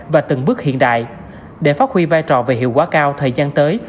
và từng bước hiện đại để phát huy vai trò về hiệu quả cao thời gian tới